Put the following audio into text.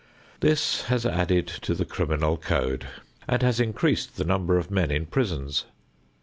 This has added to the criminal code and has increased the number of men in prisons.